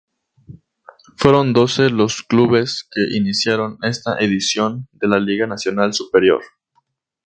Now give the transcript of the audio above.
Fueron doce los clubes que iniciaron esta edición de la Liga Nacional Superior.